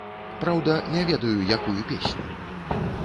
Праўда, не ведаю, якую песню.